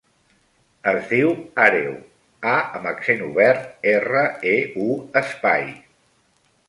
Es diu Àreu : a amb accent obert, erra, e, u, espai.